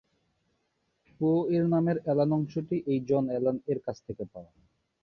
পো-এর নামের অ্যালান অংশটি এই জন অ্যালান-এর কাছ থেকে পাওয়া।